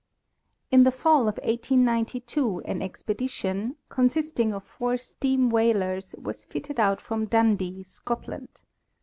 In the fall of 1892 an expedition, consisting of four steam whalers, was fitted out from Dundee, Scotland.